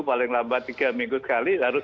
paling lambat tiga minggu sekali harus